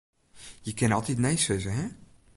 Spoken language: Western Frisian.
Je kinne altyd nee sizze, hin.